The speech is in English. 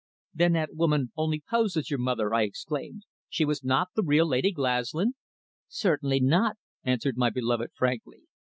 "Then that woman only posed as your mother!" I exclaimed. "She was not the real Lady Glaslyn?" "Certainly not," answered my beloved frankly.